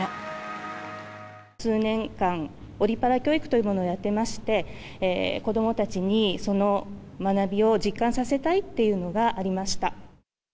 数年間、オリパラ教育というものをやってまして、子どもたちにその学びを実感させたいっていうのがありました。